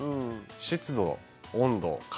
湿度、温度、風。